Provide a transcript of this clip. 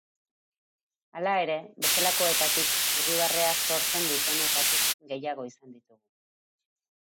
Hala ere, bestelakoetatik, irribarrea sotzen dutenetatik gehiago izan ditugu.